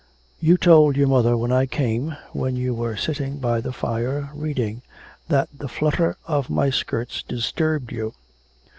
'You told your mother when I came, when you were sitting by the fire reading, that the flutter of my skirts disturbed you.'